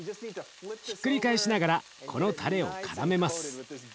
ひっくり返しながらこのたれをからめます。